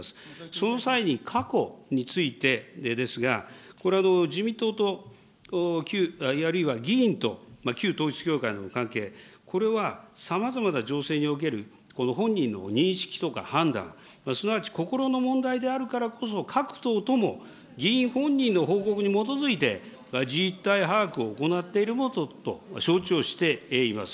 その際に過去についてですが、これ、自民党とあるいは議員と、旧統一教会との関係、これはさまざまな情勢における本人の認識とか判断、すなわち心の問題であるからこそ各党とも議員本人の報告に基づいて、実態把握を行っているものと承知をしています。